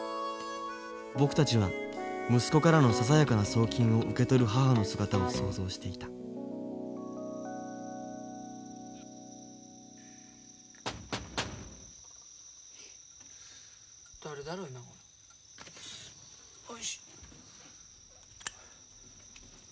僕たちは息子からのささやかな送金を受け取る母の姿を想像していた誰だろ今頃。